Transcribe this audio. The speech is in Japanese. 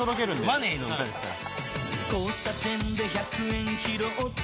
マネーの歌ですから。